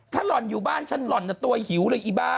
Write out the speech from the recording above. ถ้าหล่อนอยู่บ้านฉันหล่อนตัวหิวเลยอีบ้า